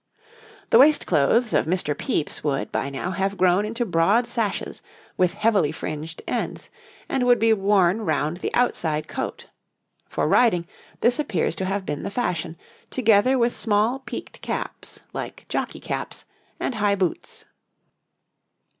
The waistclothes of Mr. Pepys would, by now, have grown into broad sashes, with heavily fringed ends, and would be worn round the outside coat; for riding, this appears to have been the fashion, together with small peaked caps, like jockey caps, and high boots.